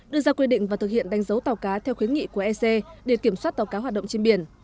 đưa ra quy định và thực hiện đánh dấu tàu cá theo khuyến nghị của ec để kiểm soát tàu cá hoạt động trên biển